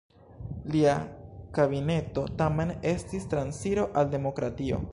Lia kabineto tamen estis transiro al demokratio.